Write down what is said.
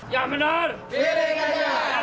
yang benar pilih ganjar